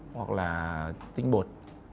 hoặc là tinh bột